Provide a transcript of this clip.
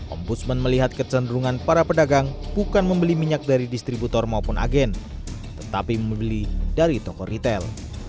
ombudsman melihat kecenderungan para pedagang bukan membeli minyak dari distributor maupun agen tetapi membeli dari toko retail